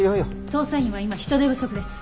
捜査員は今人手不足です。